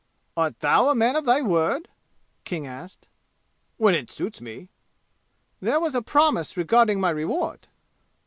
"Art thou a man of thy word?" King asked. "When it suits me." "There was a promise regarding my reward."